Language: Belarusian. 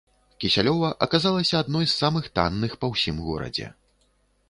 Кісялёва аказалася адной з самых танных па ўсім горадзе.